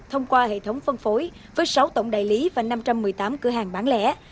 thông qua hệ thống phân phối với sáu tổng đại lý và năm trăm một mươi tám cửa hàng bán lẻ